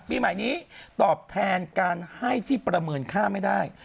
ปีใหม่นี้ตอบแทนการให้ที่ประเมินค่าไม่ได้